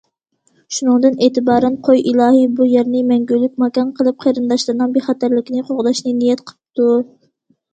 شۇنىڭدىن ئېتىبارەن قوي ئىلاھى بۇ يەرنى مەڭگۈلۈك ماكان قىلىپ قېرىنداشلىرىنىڭ بىخەتەرلىكىنى قوغداشنى نىيەت قىپتۇ.